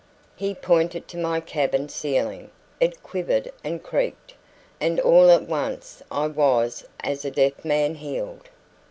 He pointed to my cabin ceiling; it quivered and creaked; and all at once I was as a deaf man healed.